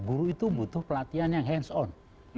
guru itu butuh pelatihan yang hands on